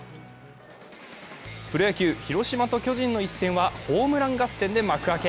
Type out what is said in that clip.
プロ野球、広島と巨人の一戦はホームラン合戦で幕開け。